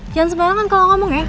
jangan sembarangan kalau ngomong ya